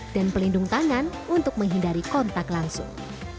dan pelindung tangan untuk menghindari kontak langsung